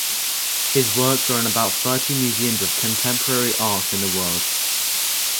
His works are in about thirty museums of contemporary art in the world.